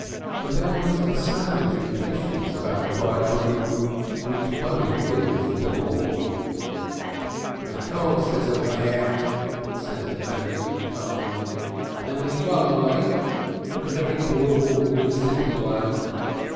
There was a savage impatience about the bridegroom which boded ill for the Law. "Of course there's a way out," said the Maggid calmly. "Only one way, but a very broad and simple one."